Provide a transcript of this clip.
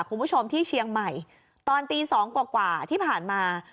คุณผู้ชมที่เชียงใหม่ตอนตีสองกว่าที่ผ่านมา